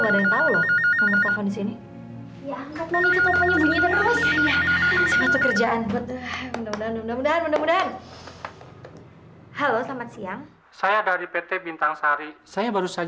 dengan jumlah yang sangat besar